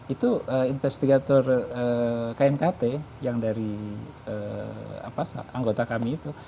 itu investigator knkt yang dari anggota kami itu